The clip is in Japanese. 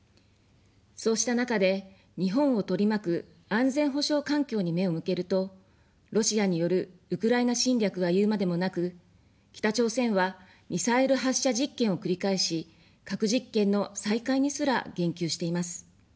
そうした中で、日本を取り巻く安全保障環境に目を向けると、ロシアによるウクライナ侵略は言うまでもなく、北朝鮮はミサイル発射実験を繰り返し、核実験の再開にすら言及しています。